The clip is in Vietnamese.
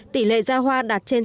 tỷ lệ ra hoa đạt trên tám mươi